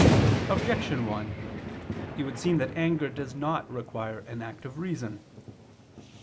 Objection 1: It would seem that anger does not require an act of reason.